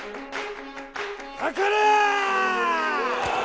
かかれ！